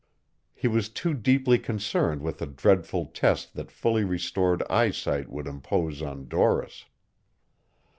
He was too deeply concerned with the dreadful test that fully restored eyesight would impose on Doris.